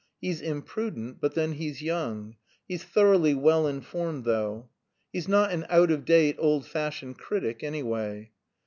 He's imprudent, but then he's young; he's thoroughly well informed, though. He's not an out of date, old fashioned critic, anyway."